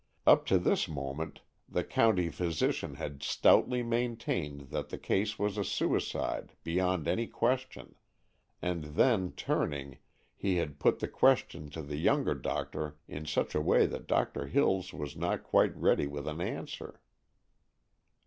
Up to this moment the county physician had stoutly maintained that the case was a suicide beyond any question, and then, turning, he had put the question to the younger doctor in such a way that Doctor Hills was not quite ready with an answer.